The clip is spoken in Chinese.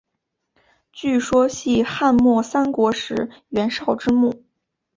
据说系汉末三国时袁绍之墓。